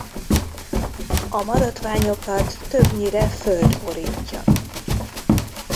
A maradványokat többnyire föld borítja.